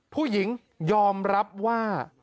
ผู้หญิงยอมรับว่า